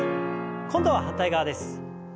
今度は反対側です。